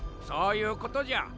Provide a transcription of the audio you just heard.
そういうことじゃ。